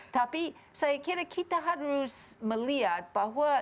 tapi saya kira kita harus melihat bahwa